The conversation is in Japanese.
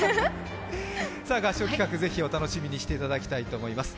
合唱企画、ぜひお楽しみにしていただきたいと思います。